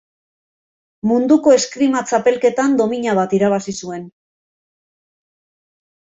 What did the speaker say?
Munduko Eskrima Txapelketan domina bat irabazi zuen.